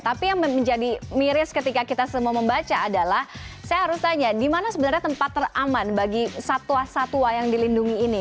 tapi yang menjadi miris ketika kita semua membaca adalah saya harus tanya di mana sebenarnya tempat teraman bagi satwa satwa yang dilindungi ini